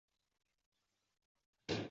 罗氏绶草伯爵的名字命名。